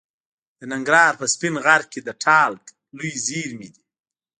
د ننګرهار په سپین غر کې د تالک لویې زیرمې دي.